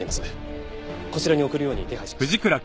こちらに送るように手配しました。